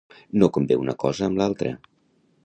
No convé una cosa amb l'altra.